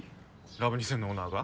ラブ２０００のオーナーが？